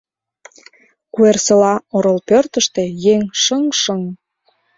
Куэрсола орол пӧртыштӧ еҥ шыҥ-шыҥ.